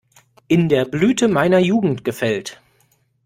In der Blüte meiner Jugend gefällt.